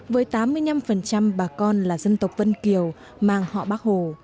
với tám mươi năm bà con là dân tộc vân kiều mang họ bác hồ